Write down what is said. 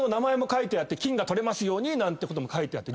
金が取れますようになんてことも書いてあって。